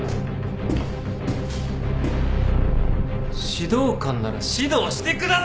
指導官なら指導してください！